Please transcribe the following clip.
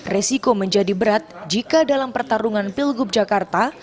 resiko menjadi berat jika dalam pertarungan pilgub jakarta